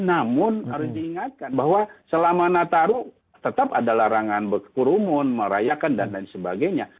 namun harus diingatkan bahwa selama nataru tetap ada larangan berkekurumun merayakan dan lain sebagainya